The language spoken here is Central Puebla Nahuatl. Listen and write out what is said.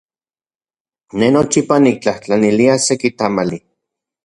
Ne nochipa niktlajtlanilia seki tamali.